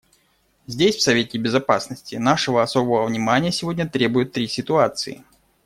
Здесь, в Совете Безопасности, нашего особого внимания сегодня требуют три ситуации.